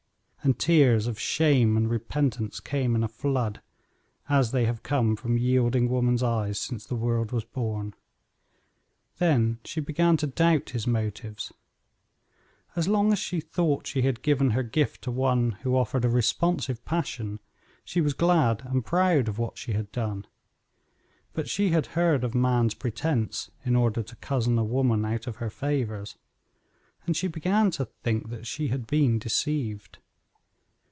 And tears of shame and repentance came in a flood, as they have come from yielding woman's eyes since the world was born. Then she began to doubt his motives. As long as she thought she had given her gift to one who offered a responsive passion, she was glad and proud of what she had done, but she had heard of man's pretense in order to cozen woman out of her favors, and she began to think she had been deceived.